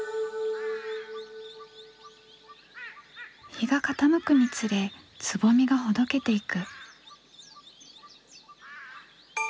日が傾くにつれつぼみがほどけていく。